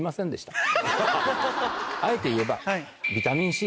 あえて言えば。